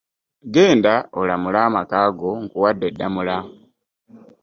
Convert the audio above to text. Genda olamule amaka go nkuwadde Ddamula.